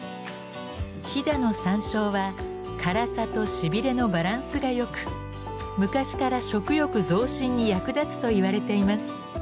飛騨の山椒は辛さとしびれのバランスがよく昔から食欲増進に役立つといわれています。